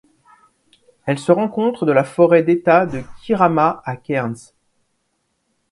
Elle se rencontre de la forêt d'État de Kirrama à Cairns.